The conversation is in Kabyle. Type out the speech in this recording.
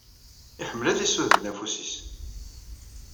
Iḥemmel ad isuden afus-ines